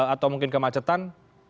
atau mungkin kemacetan